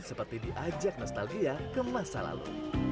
seperti diajak nostalgia ke masa lalu